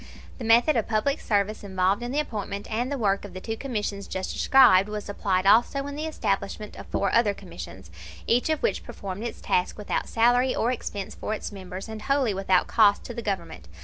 The method of public service involved in the appointment and the work of the two commissions just described was applied also in the establishment of four other commissions, each of which performed its task without salary or expense for its members, and wholly without cost to the Government.